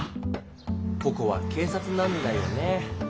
ここはけいさつなんだよね。